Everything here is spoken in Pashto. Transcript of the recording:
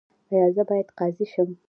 ایا زه باید قاضي شم؟